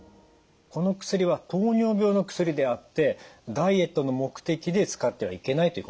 この薬は糖尿病の薬であってダイエットの目的で使ってはいけないということですね。